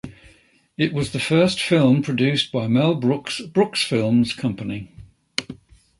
It was the first film produced by Mel Brooks' Brooksfilms company.